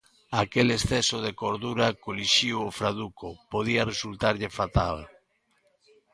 Aquel exceso de cordura, colixiu o fraduco, podía resultarlle fatal.